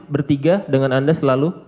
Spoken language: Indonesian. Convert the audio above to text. bertiga dengan anda selalu